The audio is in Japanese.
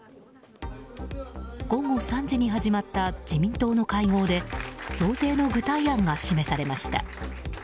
午後３時始まった自民党の会合で増税の具体案が示されました。